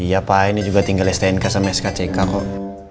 iya pa ini juga tinggal s tnk sama skck kok